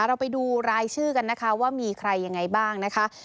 เราไปดูรายชื่อกันนะคะว่ามีใครยังไงบ้างนะคะ